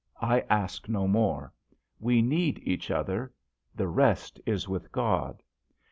I ask no more. We need each other ; the rest is with God."